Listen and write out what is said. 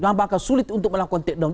maka sulit untuk melakukan takedown